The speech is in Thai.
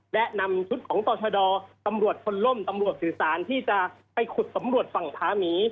และนำชุดของต่อชะดอตำรวจคนล่มตำรวจสื่อสารที่จะไปขุดสำรวจฝั่งพาหมี